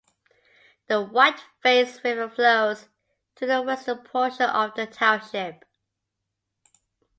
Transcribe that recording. The Whiteface River flows through the western portion of the township.